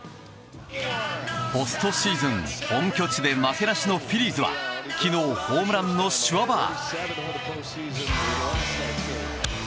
ポストシーズン本拠地で負けなしのフィリーズは昨日、ホームランのシュワバー。